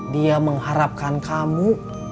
dia mengharapkan kamu